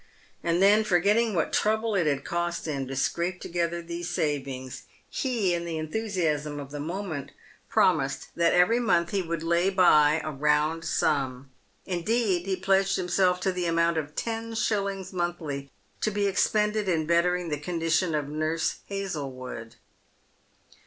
And then, forgetting what trouble it had cost him to scrape together these savings, he, in the enthusiasm of the moment, pro mised that every month he would lay by a round sum ; indeed, he pledged himself to the amount of ten shillings monthly, to be expended in bettering the condition of Nurse Hazlewood.